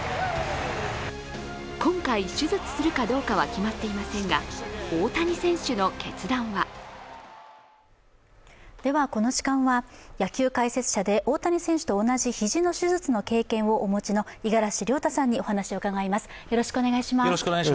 今回、手術するかどうかは決まっていませんが大谷選手の決断はこの時間は野球解説者で大谷選手と同じ肘の手術の経験をお持ちの五十嵐亮太さんにお話を伺います。